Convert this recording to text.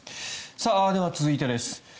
では、続いてです。